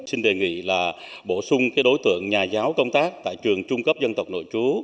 xin đề nghị là bổ sung đối tượng nhà giáo công tác tại trường trung cấp dân tộc nội chú